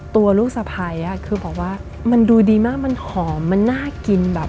ตัวลูกสะพ้ายคือบอกว่ามันดูดีมากมันหอมมันน่ากินแบบ